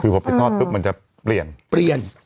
คือพอไปทอดปุ๊บมันจะเปลี่ยน